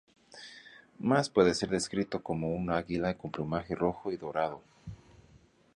Más puede ser descrito como un águila con plumaje rojo y dorado.